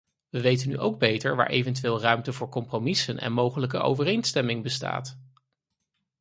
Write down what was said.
We weten nu ook beter waar eventueel ruimte voor compromissen en mogelijke overeenstemming bestaat.